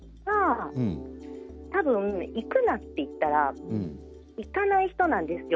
たぶん行くなと言ったら行かない人なんですよ